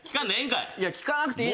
いや聞かなくていい。